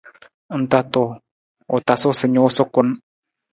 Ng ta tuu, u tasu sa nuusa kun.